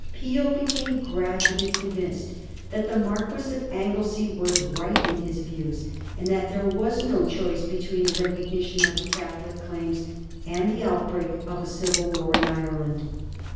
Peel became gradually convinced that the Marquis of Anglesey was right in his views, and that there was no choice between a recognition of the Catholic claims and the outbreak of a civil war in Ireland.